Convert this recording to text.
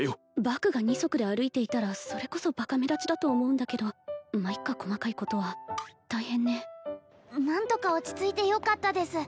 バクが二足で歩いていたらそれこそバカ目立ちだと思うんだけどまっいっか細かいことは何とか落ち着いてよかったです